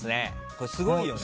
これすごいよね。